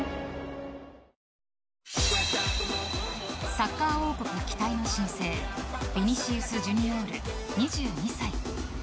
サッカー王国期待の新星ヴィニシウスジュニオール２２歳。